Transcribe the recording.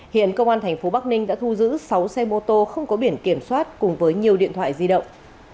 hiện công an tp bắc ninh đã thu giữ sáu xe mô tô không có biển kiểm soát cùng với nhiều điện thoại di động